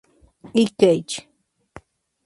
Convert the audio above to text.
I. Kh.